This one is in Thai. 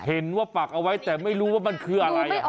ปักเอาไว้แต่ไม่รู้ว่ามันคืออะไร